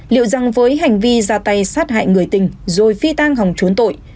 liệu rằng với hành vi ra tay sát hại người tình rồi phi tang hòng trốn tội